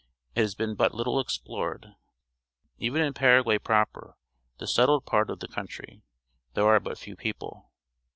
It has been but little explored. Even in Paraguay proper— the settled part of the country— there are but few people.